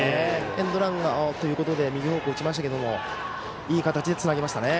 エンドランということで右方向に打ちましたけどいい形でつなぎましたね。